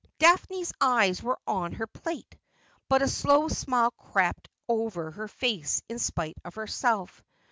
Daphne's eyes were on her plate, but a slow smile crept over her face in spite of herself.